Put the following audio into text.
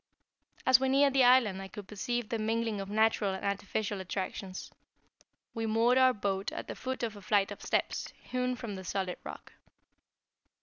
As we neared the island I could perceive the mingling of natural and artificial attractions. We moored our boat at the foot of a flight of steps, hewn from the solid rock.